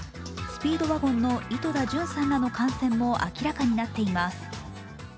スピードワゴンの井戸田潤さんらの感染も明らかになっています。